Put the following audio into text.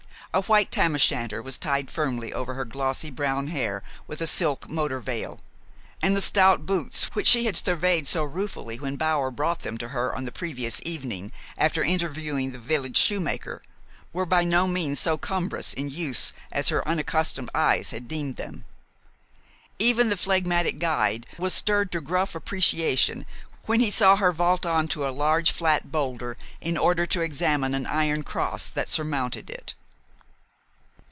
A white Tam o' Shanter was tied firmly over her glossy brown hair with a silk motor veil, and the stout boots which she had surveyed so ruefully when Bower brought them to her on the previous evening after interviewing the village shoemaker, were by no means so cumbrous in use as her unaccustomed eyes had deemed them. Even the phlegmatic guide was stirred to gruff appreciation when he saw her vault on to a large flat boulder in order to examine an iron cross that surmounted it.